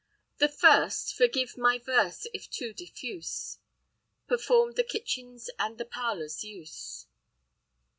The first, forgive my verse if too diffuse, Performed the kitchen's and the parlour's use.